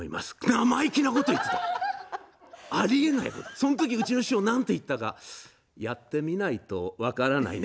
生意気なことを言っていたありえないうちの師匠はなんと言ったかやってみないと分からないね。